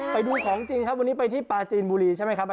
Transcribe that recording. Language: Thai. ไปดูของจริงครับวันนี้ไปที่ปลาจีนบุรีใช่ไหมครับ